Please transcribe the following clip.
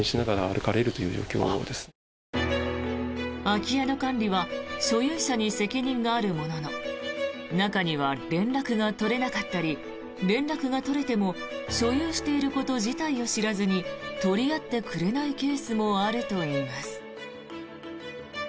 空き家の管理は所有者に責任があるものの中には連絡が取れなかったり連絡が取れても所有していること自体を知らずに取り合ってくれないケースもあるといいます。